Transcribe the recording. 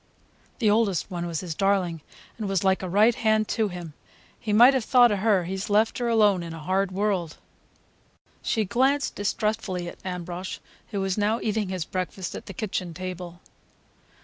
The oldest one was his darling, and was like a right hand to him. He might have thought of her. He's left her alone in a hard world." She glanced distrustfully at Ambrosch, who was now eating his breakfast at the kitchen table.